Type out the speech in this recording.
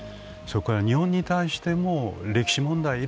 それから日本に対しても歴史問題